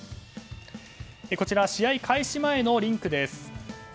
こちら、試合開始前のリンクです。